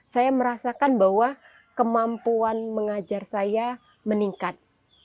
saya merasakan bahwa kemampuan mengajar saya meningkat